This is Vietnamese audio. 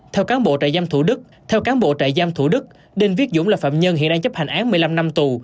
theo cán bộ trại giam thủ đức đinh viết dũng là phạm nhân hiện đang chấp hành án một mươi năm năm tù